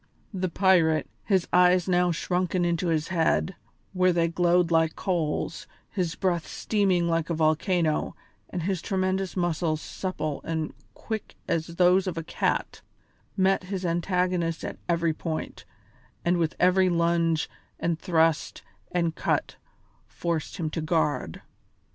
The pirate, his eyes now shrunken into his head, where they glowed like coals, his breath steaming like a volcano, and his tremendous muscles supple and quick as those of a cat, met his antagonist at every point, and with every lunge and thrust and cut forced him to guard.